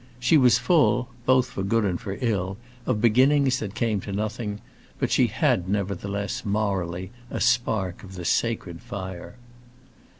She was full—both for good and for ill—of beginnings that came to nothing; but she had nevertheless, morally, a spark of the sacred fire.